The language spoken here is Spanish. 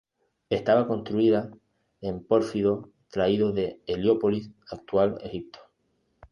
Estaba construida en pórfido traído de Heliópolis, actual Egipto.